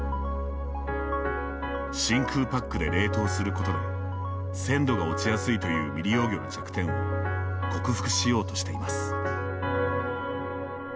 真空パックで冷凍することで鮮度が落ちやすいという未利用魚の弱点を克服しようとしています。